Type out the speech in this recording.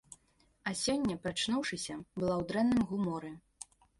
А сёння, прачнуўшыся, была ў дрэнным гуморы.